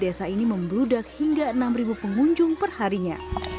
desa ini membludak hingga enam pengunjung perharinya